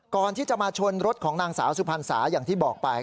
ก่อนที่จะมาชนรถของนางสาวสุพรรณสาอย่างที่บอกไป